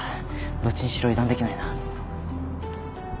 どっちにしろ油断できないな。